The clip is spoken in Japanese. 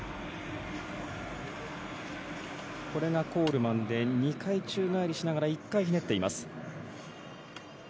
コールマンで２回宙返りしながら１回ひねっています。